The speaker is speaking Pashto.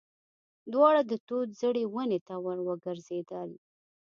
دواړه د توت زړې ونې ته ور وګرځېدل.